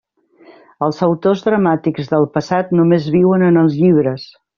Els autors dramàtics del passat només viuen en els llibres.